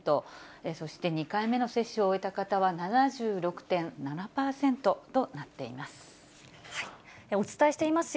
そして２回目の接種を終えた方は７６．７％となっています。